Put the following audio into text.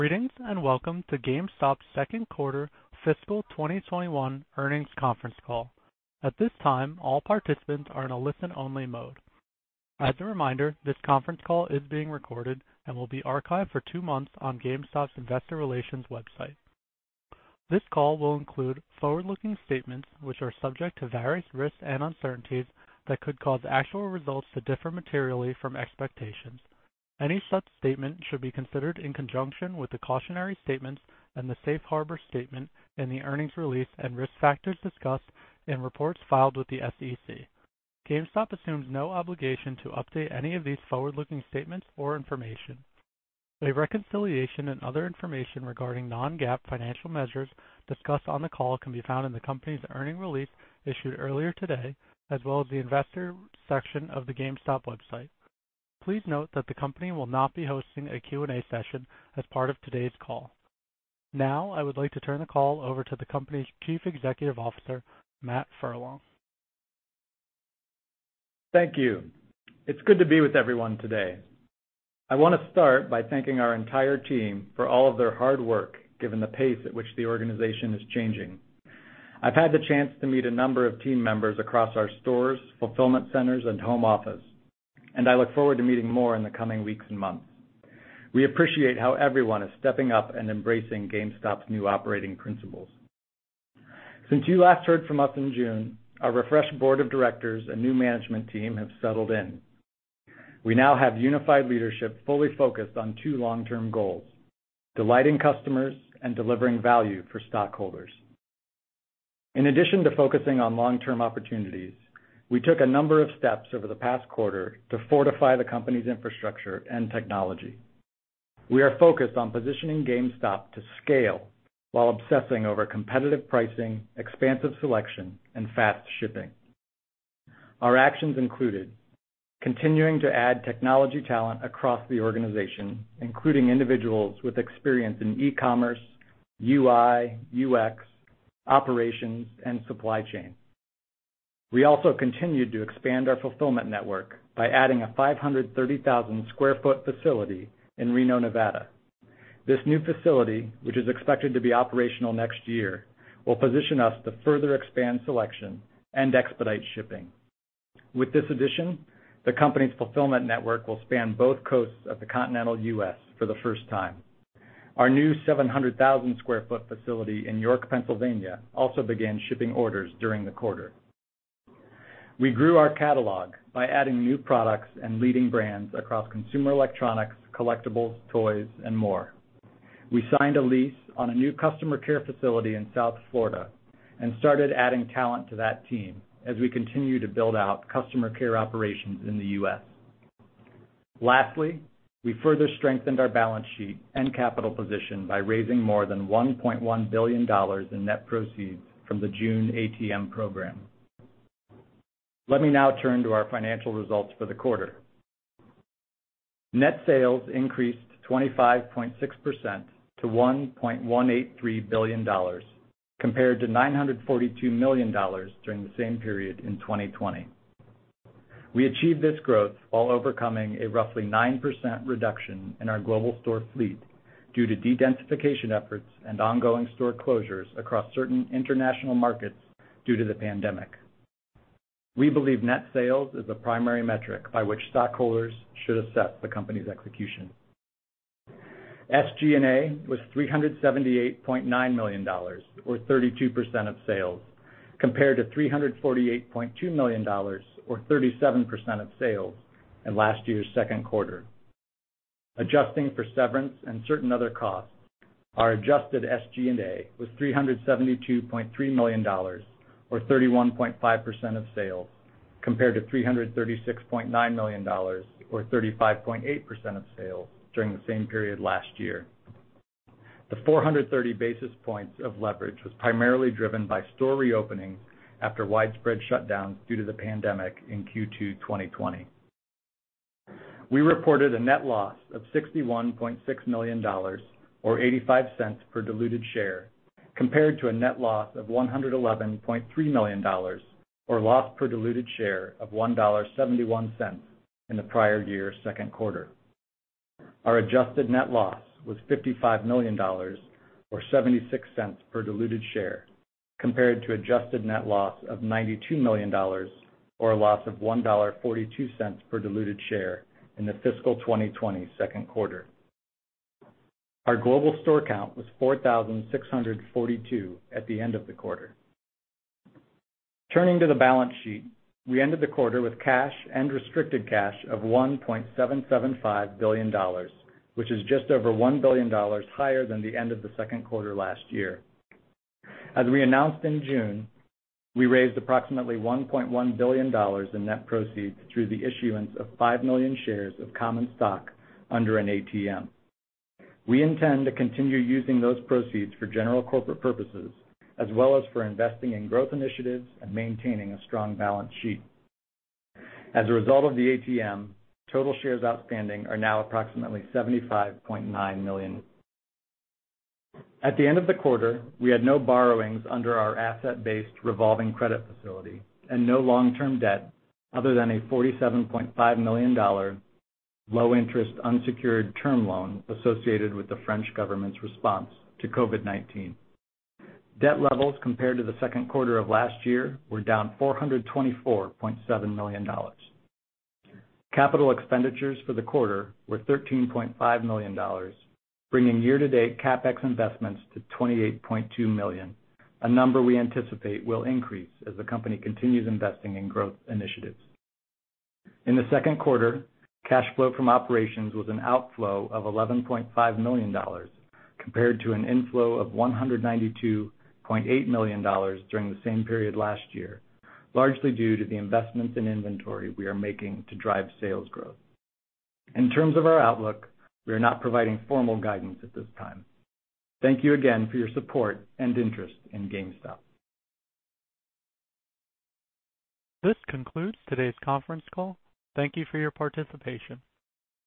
Greetings, welcome to GameStop's Second Quarter Fiscal 2021 Earnings Conference Call. At this time, all participants are in a listen-only mode. As a reminder, this conference call is being recorded and will be archived for two months on GameStop's investor relations website. This call will include forward-looking statements, which are subject to various risks and uncertainties that could cause actual results to differ materially from expectations. Any such statement should be considered in conjunction with the cautionary statements and the safe harbor statement in the earnings release and risk factors discussed in reports filed with the SEC. GameStop assumes no obligation to update any of these forward-looking statements or information. A reconciliation and other information regarding non-GAAP financial measures discussed on the call can be found in the company's earning release issued earlier today, as well as the investor section of the GameStop website. Please note that the company will not be hosting a Q and A session as part of today's call. I would like to turn the call over to the company's Chief Executive Officer, Matt Furlong. Thank you. It's good to be with everyone today. I want to start by thanking our entire team for all of their hard work, given the pace at which the organization is changing. I've had the chance to meet a number of team members across our stores, fulfillment centers, and home office, and I look forward to meeting more in the coming weeks and months. We appreciate how everyone is stepping up and embracing GameStop's new operating principles. Since you last heard from us in June, our refreshed board of directors and new management team have settled in. We now have unified leadership fully focused on two long-term goals, delighting customers and delivering value for stockholders. In addition to focusing on long-term opportunities, we took a number of steps over the past quarter to fortify the company's infrastructure and technology. We are focused on positioning GameStop to scale while obsessing over competitive pricing, expansive selection, and fast shipping. Our actions included continuing to add technology talent across the organization, including individuals with experience in e-commerce, UI, UX, operations, and supply chain. We also continued to expand our fulfillment network by adding a 530,000 sq ft facility in Reno, Nevada. This new facility, which is expected to be operational next year, will position us to further expand selection and expedite shipping. With this addition, the company's fulfillment network will span both coasts of the continental U.S. for the first time. Our new 700,000 sq ft facility in York, Pennsylvania, also began shipping orders during the quarter. We grew our catalog by adding new products and leading brands across consumer electronics, collectibles, toys, and more. We signed a lease on a new customer care facility in South Florida and started adding talent to that team as we continue to build out customer care operations in the U.S. Lastly, we further strengthened our balance sheet and capital position by raising more than $1.1 billion in net proceeds from the June ATM program. Let me now turn to our financial results for the quarter. Net sales increased 25.6% to $1.183 billion, compared to $942 million during the same period in 2020. We achieved this growth while overcoming a roughly 9% reduction in our global store fleet due to dedensification efforts and ongoing store closures across certain international markets due to the pandemic. We believe net sales is the primary metric by which stockholders should assess the company's execution. SG&A was $378.9 million, or 32% of sales, compared to $348.2 million or 37% of sales in last year's second quarter. Adjusting for severance and certain other costs, our adjusted SG&A was $372.3 million or 31.5% of sales, compared to $336.9 million or 35.8% of sales during the same period last year. The 430 basis points of leverage was primarily driven by store reopening after widespread shutdowns due to the pandemic in Q2 2020. We reported a net loss of $61.6 million, or $0.85 per diluted share, compared to a net loss of $111.3 million, or loss per diluted share of $1.71 in the prior year's second quarter. Our adjusted net loss was $55 million, or $0.76 per diluted share, compared to adjusted net loss of $92 million, or a loss of $1.42 per diluted share in the fiscal 2020 second quarter. Our global store count was 4,642 at the end of the quarter. Turning to the balance sheet, we ended the quarter with cash and restricted cash of $1.775 billion, which is just over $1 billion higher than the end of the second quarter last year. As we announced in June, we raised approximately $1.1 billion in net proceeds through the issuance of five million shares of common stock under an ATM. We intend to continue using those proceeds for general corporate purposes, as well as for investing in growth initiatives and maintaining a strong balance sheet. As a result of the ATM, total shares outstanding are now approximately 75.9 million. At the end of the quarter, we had no borrowings under our asset-based revolving credit facility and no long-term debt other than a $47.5 million low-interest unsecured term loan associated with the French government's response to COVID-19. Debt levels compared to the second quarter of last year were down $424.7 million. Capital expenditures for the quarter were $13.5 million, bringing year-to-date CapEx investments to $28.2 million, a number we anticipate will increase as the company continues investing in growth initiatives. In the second quarter, cash flow from operations was an outflow of $11.5 million, compared to an inflow of $192.8 million during the same period last year, largely due to the investments in inventory we are making to drive sales growth. In terms of our outlook, we are not providing formal guidance at this time. Thank you again for your support and interest in GameStop. This concludes today's conference call. Thank You for your participation.